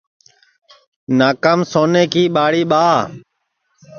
ناکام سونیں کی ٻاݪی ٻاہ